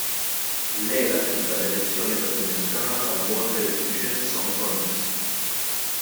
Ilejla tibda l-edizzjoni ta' din is-sena tal-Malta Eurovision Song Contest.